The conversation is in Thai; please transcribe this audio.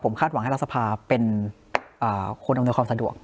คาดหวังให้รัฐสภาเป็นคนอำนวยความสะดวก